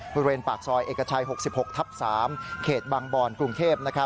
บริเวณปากซอยเอกชัย๖๖ทับ๓เขตบางบอนกรุงเทพ